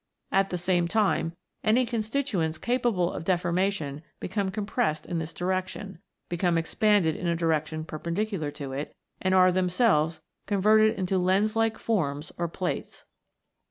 At the same time, any constituents capable of deformation become compressed in this direction, become expanded in a direction perpen dicular to it, and are themselves converted into lens like forms or plates.